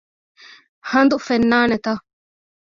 ހަނދު ފެންނާނެތަ؟